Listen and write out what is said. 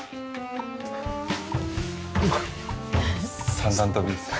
三段跳びですね。